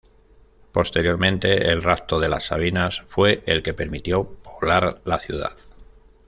Posteriormente, el rapto de las Sabinas fue el que permitió poblar la ciudad.